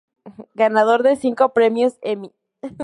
Ganador de cinco premios Emmy.